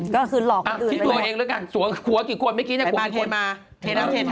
ก็คือหลอกอื่นคิดตัวเองละกันผัวกี่คนไม่คิดนะผัวกี่คน